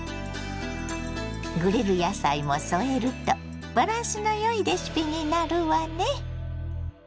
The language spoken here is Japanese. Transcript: グリル野菜も添えるとバランスのよいレシピになるわね。